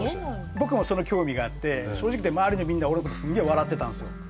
僕もその興味があって正直言って周りのみんな俺のことすげえ笑ってたんすよ